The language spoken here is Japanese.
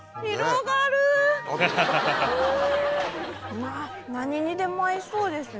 うわ何にでも合いそうですね。